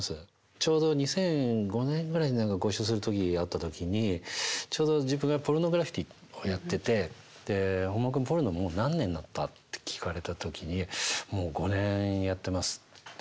ちょうど２００５年ぐらいに何かご一緒する時あった時にちょうど自分がポルノグラフィティをやっててで「本間君ポルノもう何年になった？」って聞かれた時に「もう５年やってます」って。